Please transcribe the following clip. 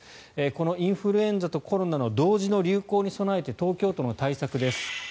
このインフルエンザとコロナの同時の流行に備えて東京都の対策です。